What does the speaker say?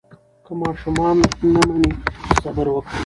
که ماشوم نه مني، صبر وکړئ.